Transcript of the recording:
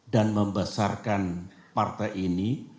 dan membesarkan partai ini